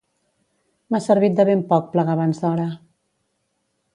M'ha servit de ben poc plegar abans d'hora